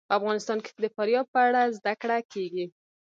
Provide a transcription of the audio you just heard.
په افغانستان کې د فاریاب په اړه زده کړه کېږي.